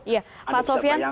iya pak sofyan